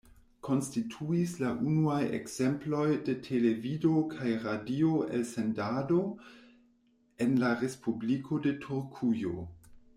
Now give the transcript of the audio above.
Konstituis la unuaj ekzemploj de televido kaj radio elsendado en la Respubliko de Turkujo.